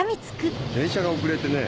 電車が遅れてね